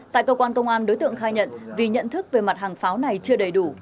tại cơ quan công an đối tượng khai nhận vì nhận thức về mặt hàng pháo này chưa đầy đủ